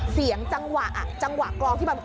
เสียงจังหวะกรองที่แบบ